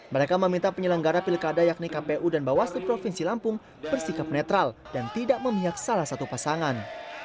mereka meminta penyelenggara pilkada yakni kpu dan bawaslu provinsi lampung bersikap netral dan tidak memihak salah satu pasangan